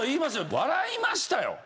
笑いましたよ。